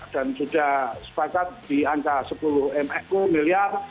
dan sudah sepakat di angka sepuluh miliar